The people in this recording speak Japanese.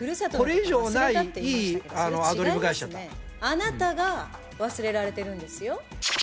「あなたが忘れられてるんですよ」